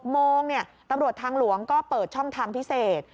โมงตำรวจทางหลวงก็เปิดช่องทางพิเศษ